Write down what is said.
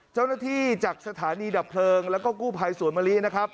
เจ้าหน้าที่จากสถานีดับเพลิงแล้วก็กู้ภัยสวนมะลินะครับ